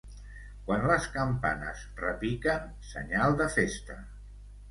Quan les campanes repiquen, senyal de festa.